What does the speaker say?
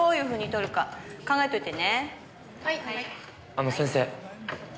あの先生。